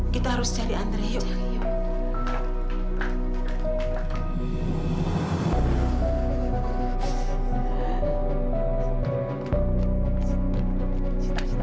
kita harus cari andre yuk